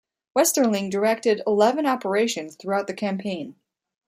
Westerling directed eleven operations throughout the campaign.